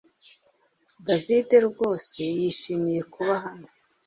David rwose yishimiye kuba hano